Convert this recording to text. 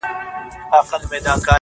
پر وظیفه عسکر ولاړ دی تلاوت کوي.